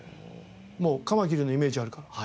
もうカマキリのイメージがあるから。